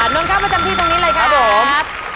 นอนเข้าประจำที่ตรงนี้เลยครับผม